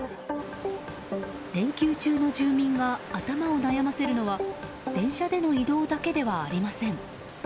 連休中の住民が頭を悩ませるのは電車での移動だけではありません。